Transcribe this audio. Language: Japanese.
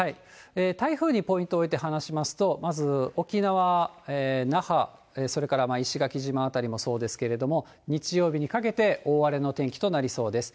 台風にポイントを置いて話しますと、まず沖縄・那覇、それから石垣島辺りもそうですけれども、日曜日にかけて大荒れの天気となりそうです。